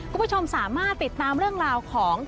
คุณผู้ชมสามารถติดตามเรื่องราวของ